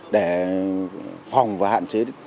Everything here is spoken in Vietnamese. để phòng và hạn chế